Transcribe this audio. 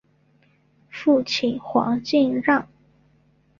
父亲黄敬让。